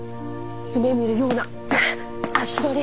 夢みるような足取り。